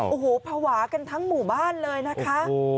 โอ้โหภาวะกันทั้งหมู่บ้านเลยนะคะ